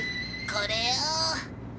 これを。